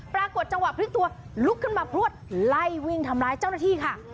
ปรากฏจังหวะพลิกตัวลุกขึ้นมาพลวดไล่วิ่งทำร้ายเจ้าหน้าที่ค่ะ